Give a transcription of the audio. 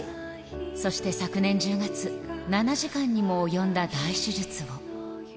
そして昨年１０月、７時間にも及んだ大手術を。